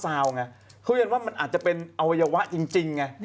เค้ายืนยันว่ามันอาจจะเป็นอวรรยวะจริง